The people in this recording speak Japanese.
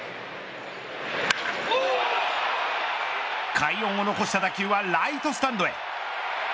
快音を残した打球はライトスタンドへ。